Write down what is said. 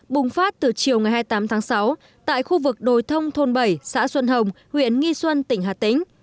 bùng phát từ chiều ngày hai mươi tám tháng sáu tại khu vực đồi thông thôn bảy xã xuân hồng huyện nghi xuân tỉnh hà tĩnh